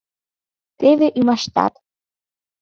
Теве ӱмаштат...